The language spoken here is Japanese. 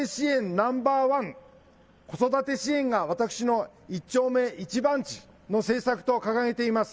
ナンバーワン、子育て支援が私の一丁目一番地の政策と掲げています。